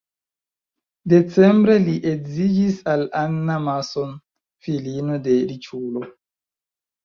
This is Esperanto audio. Decembre li edziĝis al Anna Mason, filino de riĉulo.